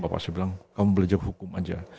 bapak saya bilang kamu belajar hukum aja